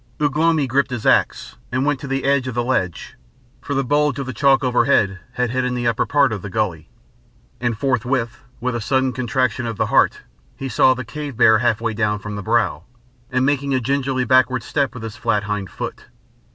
Ugh lomi gripped his axe, and went to the edge of the ledge, for the bulge of the chalk overhead had hidden the upper part of the gully. And forthwith, with a sudden contraction of the heart, he saw the cave bear half way down from the brow, and making a gingerly backward step with his flat hind foot.